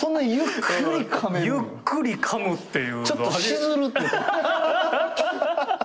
ゆっくりかむっていう。